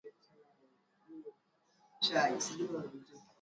Tutatumia ufugaji wa Nyoka kugharamia bajeti ya sekta ya elimu nzima